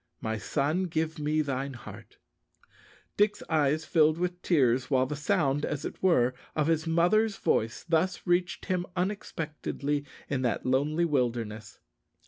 My son, give me thine heart_." Dick's eyes filled with tears while the sound, as it were, of his mother's voice thus reached him unexpectedly in that lonely wilderness.